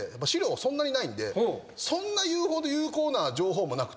そんなにないんでそんないうほど有効な情報もなくて。